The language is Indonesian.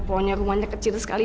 pokoknya rumahnya kecil sekali